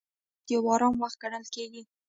د غرمې وخت یو آرام وخت ګڼل کېږي